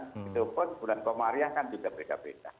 ketepun bulan pemariah kan juga beda beda